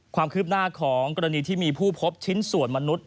ความคืบหน้าของกรณีที่มีผู้พบชิ้นส่วนมนุษย